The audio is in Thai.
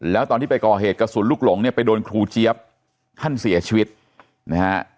แล้วตอนที่ไปก่อเหตุกระสุนลูกหลงเนี่ยไปโดนครูเจี๊ยบท่านเสียชีวิตนะฮะ